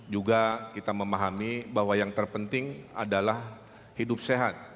juga kita memahami bahwa yang terpenting adalah hidup sehat